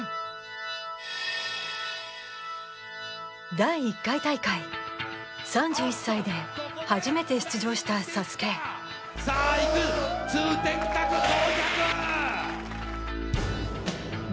第１回大会３１歳で初めて出場したＳＡＳＵＫＥさあいく通天閣到着！